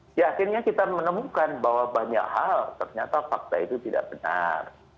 di akhirnya kita menemukan bahwa banyak hal ternyata fakta itu tidak benar